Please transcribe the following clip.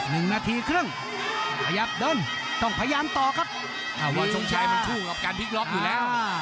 วันทรงชัยมันคู่กับการพลิกรอบอยู่แล้ว